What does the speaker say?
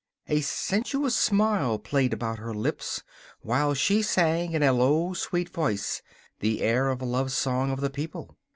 A sensuous smile played about her lips while she sang in a low, sweet voice the air of a love song of the people.